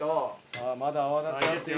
さあまだ泡立ちますよ。